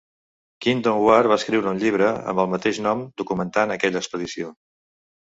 Kingdon-Ward va escriure un llibre amb el mateix nom documentant aquella expedició.